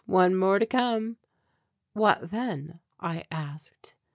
One more to come." "What then?" I asked.